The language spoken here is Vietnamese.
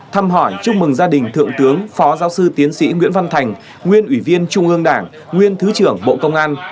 thăm hỏi chúc mừng gia đình thượng tướng phó giáo sư tiến sĩ nguyễn văn thành nguyên ủy viên trung ương đảng nguyên thứ trưởng bộ công an